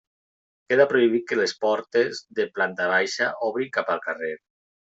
Queda prohibit que les portes de planta baixa obrin cap al carrer.